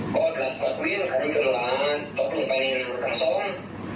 กอดหลับกอดเวี้ยงขันจนหลานตกลงไปในนั้นกันสอง